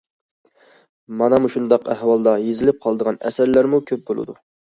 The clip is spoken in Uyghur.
مانا مۇشۇنداق ئەھۋالدا يېزىلىپ قالىدىغان ئەسەرلەرمۇ كۆپ بولىدۇ.